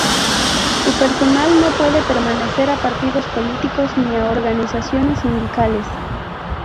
Su personal no puede pertenecer a Partidos Políticos ni a organizaciones sindicales.